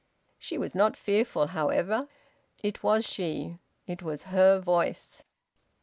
She was not fearful, however. It was she. It was her voice.